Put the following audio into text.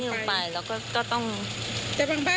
บ้างบ้างเขาก็จะเอากระถาดด้วยไม้